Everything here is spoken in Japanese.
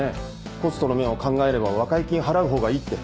コストの面を考えれば和解金払う方がいいって。